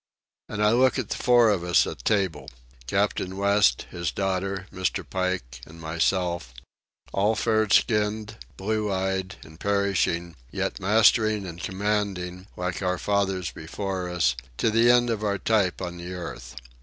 And I look at the four of us at table—Captain West, his daughter, Mr. Pike, and myself—all fair skinned, blue eyed, and perishing, yet mastering and commanding, like our fathers before us, to the end of our type on the earth.